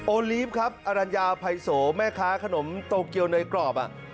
ลีฟครับอรัญญาภัยโสแม่ค้าขนมโตเกียวเนยกรอบ